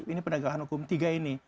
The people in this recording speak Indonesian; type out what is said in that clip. ini penegakan hukum tiga ini